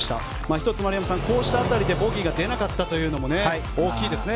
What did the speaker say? １つ、こうした辺りでボギーが出なかったのも大きいですね。